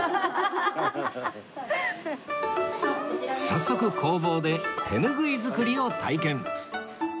早速工房で手ぬぐい作りを体験